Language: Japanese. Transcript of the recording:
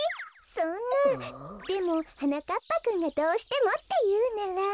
そんなでもはなかっぱくんがどうしてもっていうなら。